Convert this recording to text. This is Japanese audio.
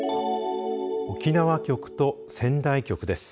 沖縄局と仙台局です。